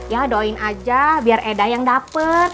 ya doain aja biar eda yang dapat